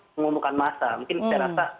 pengumuman masa mungkin saya rasa